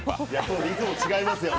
いつもと違いますよね。